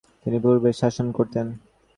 তিনি পূর্বে শাসন করতেন।